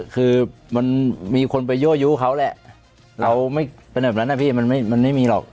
คือมันมีคนไปยั่วยู้เขาแหละเราไม่เป็นแบบนั้นนะพี่มันไม่มีหรอก